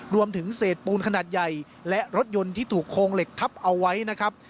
รวมถึงเศษปูนขนาดใหญ่และรถยนต์ที่ถูกโครงเหล็กทับเอาไว้นะครับ